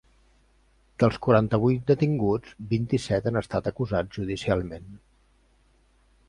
Dels quaranta-vuit detinguts, vint-i-set han estat acusats judicialment.